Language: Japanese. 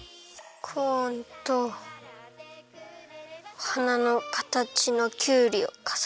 コーンとはなのかたちのきゅうりをかざって。